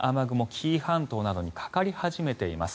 紀伊半島などにかかり始めています。